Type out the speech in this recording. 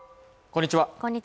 こんにちは